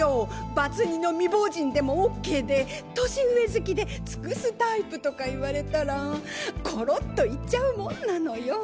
バツ２の未亡人でもＯＫで年上好きで尽くすタイプとか言われたらころっといっちゃうもんなのよ。